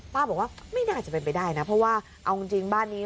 บอกว่าไม่น่าจะเป็นไปได้นะเพราะว่าเอาจริงบ้านนี้